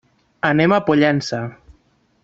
Anem a Pollença.